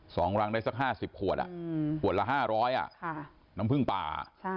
สองรังได้สัก๕๐ขวดขวดละ๕๐๐น้ำพึ่งป่า